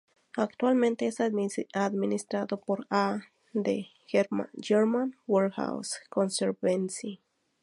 Actualmente es administrado por A. D. German Warehouse Conservancy.